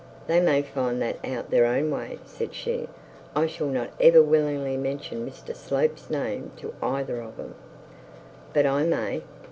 'They may find out their own way,' said she; 'I shall not ever willingly mention Mr Slope's name to either of them.' 'But I may.'